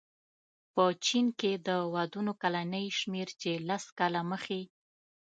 په چین کې د ودونو کلنی شمېر چې لس کاله مخې